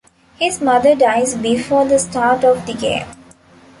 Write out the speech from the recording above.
His mother dies before the start of the game.